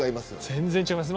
全然違います。